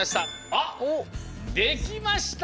あっできました！